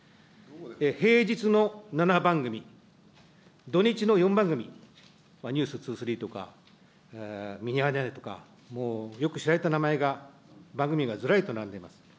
平日の７番組、土日の４番組、ｎｅｗｓ２３とか、ミヤネ屋とか、もうよく知られた名前が、番組がずらりと並んでいます。